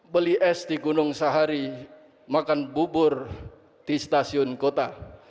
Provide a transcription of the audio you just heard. beli es di gunung sahari makan bubur di stasiun kota